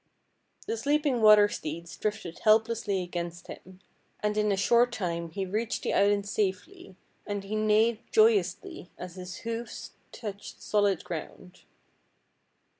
The sleeping water steeds drifted helplessly against him, and in a short time he reached the island safely, and he neighed joyously as his hoofs touched solid ground.